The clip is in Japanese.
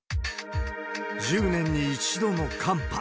１０年に１度の寒波。